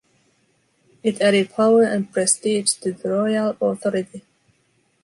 It added power and prestige to the royal authority.